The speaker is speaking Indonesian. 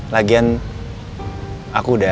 lagian aku udah